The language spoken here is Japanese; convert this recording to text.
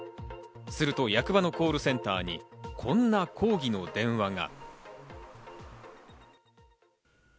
すると役場のコールセンターに、こんな抗議の電話が。